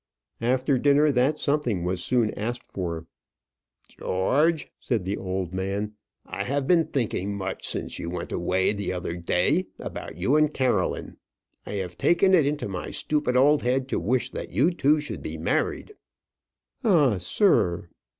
After dinner that something was soon asked for. "George," said the old man, "I have been thinking much since you went away the other day about you and Caroline. I have taken it into my stupid old head to wish that you two should be married." "Ah, sir!"